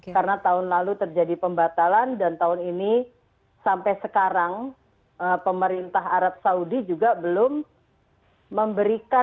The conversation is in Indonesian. karena tahun lalu terjadi pembatalan dan tahun ini sampai sekarang pemerintah arab saudi juga belum memberikan